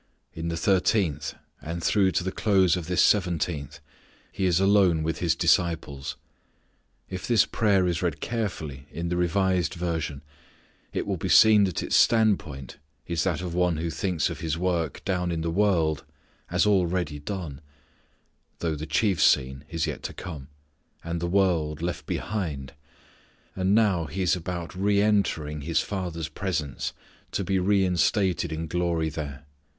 In the thirteenth and through to the close of this seventeenth He is alone with His disciples. If this prayer is read carefully in the revised version it will be seen that its standpoint is that of one who thinks of His work down in the world as already done (though the chief scene is yet to come) and the world left behind, and now He is about re entering His Father's presence to be re instated in glory there.